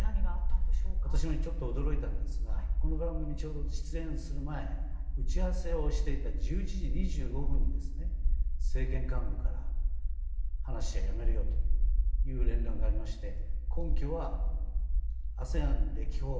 私も驚いたんですがこの番組にちょうど出演する前打ち合わせをしていた１１時２５分に政権幹部から葉梨は辞めるよという連絡がありまして根拠はＡＳＥＡＮ歴訪